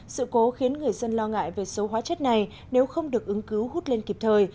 sự cố khiến người dân lo ngại về số hóa chất này nếu không được ứng cứu hút lên kịp thời